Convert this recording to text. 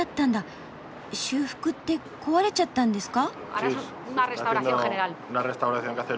「修復」って壊れちゃったんですか？